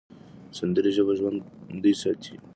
سندرې ژبه ژوندۍ ساتي.